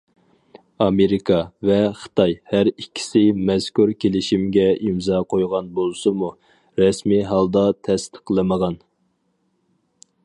ئامېرىكا ۋە خىتاي ھەر ئىككىسى مەزكۇر كېلىشىمگە ئىمزا قويغان بولسىمۇ، رەسمىي ھالدا تەستىقلىمىغان.